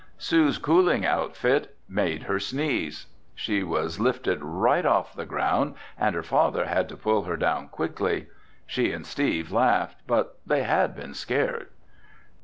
Sue's cooling outfit made her sneeze. She was lifted right off the ground and her father had to pull her down quickly. She and Steve laughed but they had been scared.